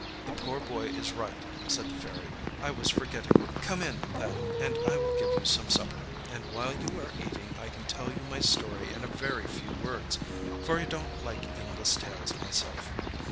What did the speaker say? â âThe poor boy is right,â said the Fairy; âI was forgetting. Come in, then, and I will give you some supper, and while you are eating I can tell you my story in a very few words for I donât like endless tales myself.